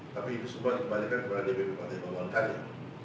tapi itu semua dikembalikan kepada dpp partai golongan karya